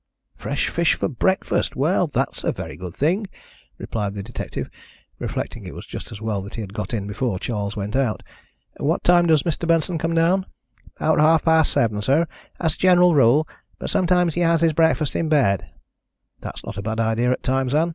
"Fresh fish for breakfast! Well, that's a very good thing," replied the detective, reflecting it was just as well that he had got in before Charles went out. "What time does Mr. Benson come down?" "About half past seven, sir, as a general rule, but sometimes he has his breakfast in bed." "That's not a bad idea at times, Ann.